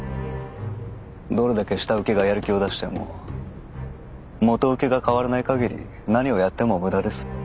どれだけ下請けがやる気を出しても元請けが変わらない限り何をやっても無駄です。